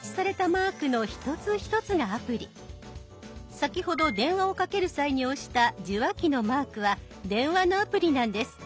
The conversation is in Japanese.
先ほど電話をかける際に押した受話器のマークは電話のアプリなんです。